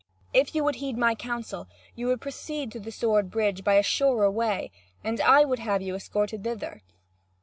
If you would heed my counsel, you would proceed to the sword bridge by a surer way, and I would have you escorted thither."